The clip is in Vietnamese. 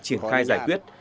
triển khai giải quyết